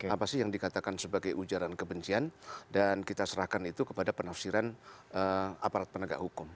apa sih yang dikatakan sebagai ujaran kebencian dan kita serahkan itu kepada penafsiran aparat penegak hukum